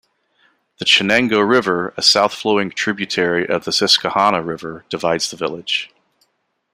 The Chenango River, a south-flowing tributary of the Susquehanna River, divides the village.